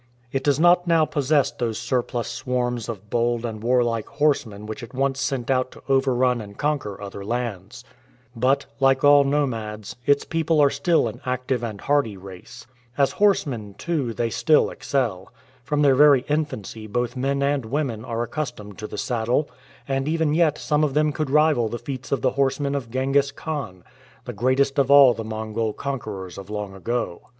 "" It does not now possess those surplus swarms of bold and warlike horsemen which it once sent out to overrun and conquer other lands. But, like all nomads, its people are still an active and hardy race. As horsemen, too, they 19 ACROSS THE PLAINS still excel. From their very infancy both men and women are accustomed to the saddle, and even yet some of them could rival the feats of the horsemen of Ghengis Khan, the greatest of all the Mongol conquerors of long ago.